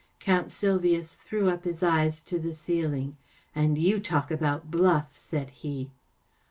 ‚ÄĚ Count Sylvius threw up his eyes to the ceiling. 44 And you talk about bluff ! ‚ÄĚ said he.